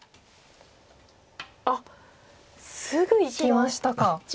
あっすぐいきましたか。